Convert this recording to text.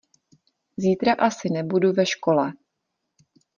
Zítra asi nebudu ve škole.